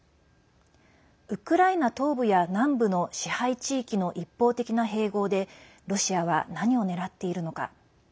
ウクライナ東部や南部の支配地域の一方的な併合でロシアは、何を狙っているのか。